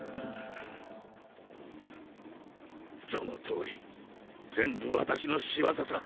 その通り全部私の仕業さ。